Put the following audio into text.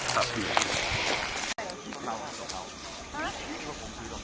ครับคุณ